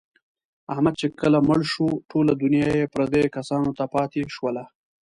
احمد چې کله مړ شو، ټوله دنیا یې پردیو کسانو ته پاتې شوله.